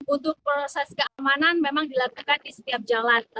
untuk proses keamanan memang dilakukan di setiap jalan